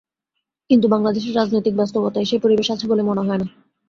কিন্তু বাংলাদেশের রাজনৈতিক বাস্তবতায় সেই পরিবেশ আছে বলে মনে হয় না।